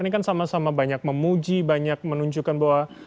ini kan sama sama banyak memuji banyak menunjukkan bahwa